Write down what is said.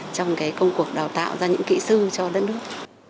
trong công cuộc đào tạo ra những kỹ sư cho đất nước